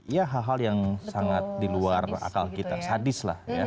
ya hal hal yang sangat di luar akal kita sadis lah ya